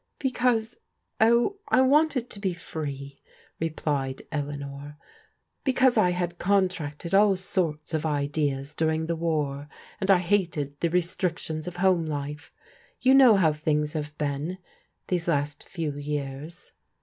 Because — oh, I wanted to be free," replied Eleanor. Because I had contracted all sorts of ideas during the war, and I hated the restrictions of home life. You know how things have been, these last few years."